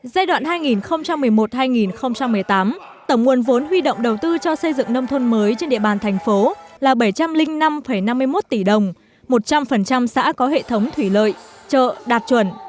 giai đoạn hai nghìn một mươi một hai nghìn một mươi tám tổng nguồn vốn huy động đầu tư cho xây dựng nông thôn mới trên địa bàn thành phố là bảy trăm linh năm năm mươi một tỷ đồng một trăm linh xã có hệ thống thủy lợi chợ đạt chuẩn